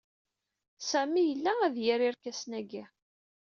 Sami yella ad yerr irkasen-agi.